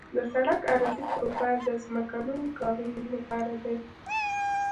د سړک عرضي پروفیل د ځمکنیو کارونو لپاره دی